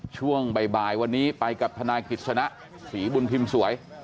ช่วงบ่ายวันนี้ไปกับธนายกิจสนะศรีบุญพิมพ์สวย